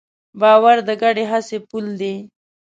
باور د ګډې هڅې پُل دی.